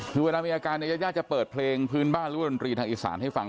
คือเวลามีอาการเนี่ยยาย่าจะเปิดเพลงพื้นบ้านหรือว่าดนตรีทางอีสานให้ฟัง